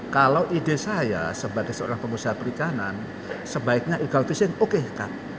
kalau ide saya sebagai seorang pengusaha perikanan sebaiknya egal fishing oke kan